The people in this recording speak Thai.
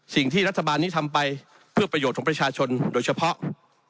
สิ่งที่รัฐบาลนี้ทำไปเพื่อประโยชน์ของประชาชนโดยเฉพาะ